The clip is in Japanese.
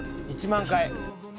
『１万回』。